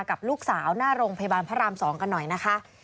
กับลูกสาวหน้าโรงพยาบาลพระราม๒กันหน่อยนะคะ